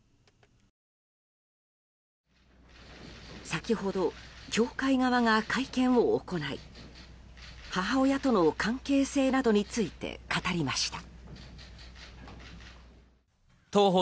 先ほど、教会側が会見を行い母親との関係性などについて語りました。